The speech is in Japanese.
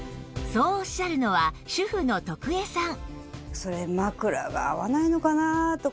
そうおっしゃるのは主婦の徳江さん